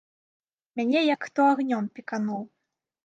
Мяне як хто агнём пекануў.